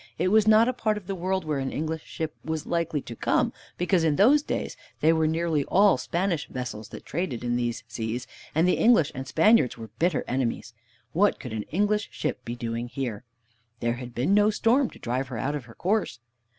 It was not a part of the world where an English ship was likely to come, because in those days they were nearly all Spanish vessels that traded in these seas, and the English and Spaniards were bitter enemies. What could an English ship be doing here? There had been no storm to drive her out of her course.